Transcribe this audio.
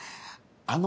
あの